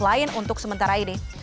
lain untuk sementara ini